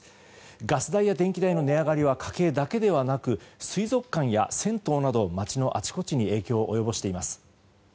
ガス代や電気代の値上がりは家計だけではなく水族館や銭湯など街のあちこちに影響を及ぼしています。